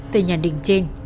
từ nhà đình trên